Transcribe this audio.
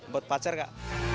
buat pacar kak